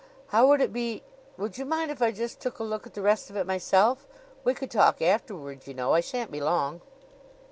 "How would it be Would you mind if I just took a look at the rest of it myself? We could talk afterward, you know. I shan't be long."